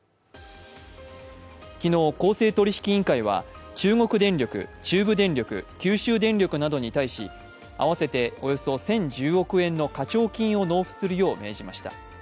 昨日、公正取引委員会は中国電力、中部電力、九州電力などに対し合わせて、およそ１０１０億円の課徴金を納付するよう命じました。